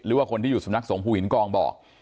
หรือว่าคนที่อยู่สำนักสงภูหินกองบอก